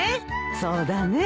そうだね。